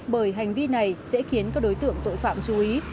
bởi hành vi này sẽ khiến các đối tượng tội phạm chú ý